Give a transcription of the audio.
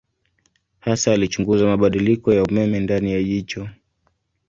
Hasa alichunguza mabadiliko ya umeme ndani ya jicho.